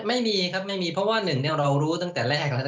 ไม่มีครับไม่มีเพราะว่าหนึ่งเรารู้ตั้งแต่แรกแล้ว